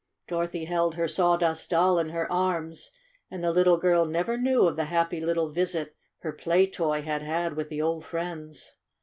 Dorothy held her Sawdust Doll in her arms, and the little girl never knew of the happy little visit her play toy had had with the old friends.